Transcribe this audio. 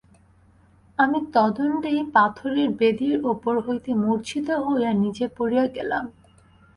আমি তদ্দণ্ডেই পাথরের বেদীর উপর হইতে মূর্ছিত হইয়া নীচে পড়িয়া গেলাম।